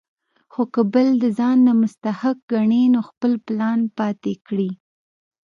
خو کۀ بل د ځان نه مستحق ګڼي نو خپل پلان پاتې کړي ـ